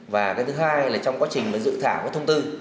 và thứ hai là trong quá trình dự thảo thông tư